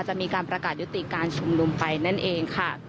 จะมีการประกาศยุติการชุมนุมไปนั่นเองค่ะ